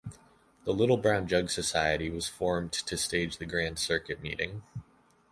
The Little Brown Jug Society was formed to stage the Grand Circuit meeting.